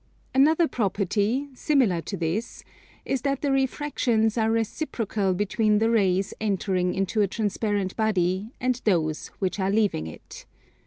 Another property, similar to this, is that the refractions are reciprocal between the rays entering into a transparent body and those which are leaving it.